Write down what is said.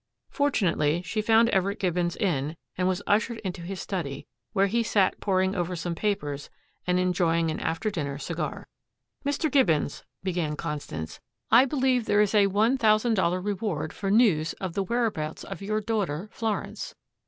Fortunately she found Everett Gibbons in and was ushered into his study, where he sat poring over some papers and enjoying an after dinner cigar. "Mr. Gibbons," began Constance, "I believe there is a one thousand dollar reward for news of the whereabouts of your daughter, Florence."